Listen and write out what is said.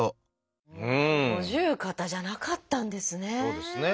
五十肩じゃなかったんですね。